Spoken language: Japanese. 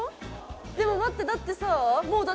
でも待ってだってさあ。